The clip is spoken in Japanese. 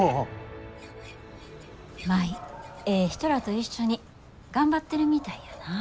舞ええ人らと一緒に頑張ってるみたいやなぁ。